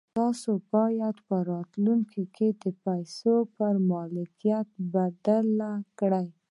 تاسې بايد په راتلونکي کې پيسې پر ملکيت بدلې کړئ.